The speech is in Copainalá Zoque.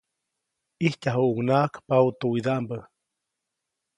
ʼIjtyajuʼucnaʼajk paʼutuwidaʼmbä.